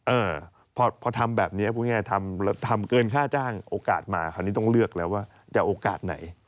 เออพอทำแบบนี้พูดง่ายทำเกินค่าจ้างโอกาสมาคราวนี้ต้องเลือกแล้วว่าจะโอกาสไหน